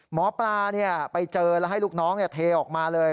หมอปลาไปเจอแล้วให้ลูกน้องเทออกมาเลย